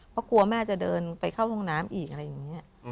เพราะกลัวแม่จะเดินไปเข้าห้องน้ำอีกอะไรอย่างนี้